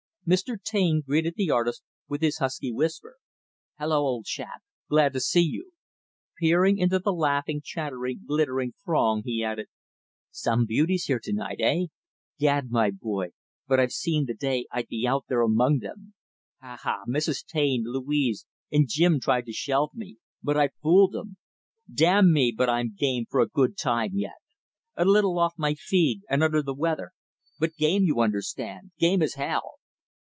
Mr. Taine greeted the artist with his husky whisper "Hello, old chap glad to see you!" Peering into the laughing, chattering, glittering, throng he added, "Some beauties here to night, heh? Gad! my boy, but I've seen the day I'd be out there among them! Ha, ha! Mrs. Taine, Louise, and Jim tried to shelve me but I fooled 'em. Damn me, but I'm game for a good time yet! A little off my feed, and under the weather; but game, you understand, game as hell!"